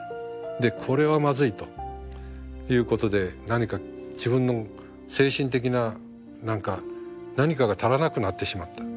でこれはまずいということで何か自分の精神的な何か何かが足らなくなってしまった。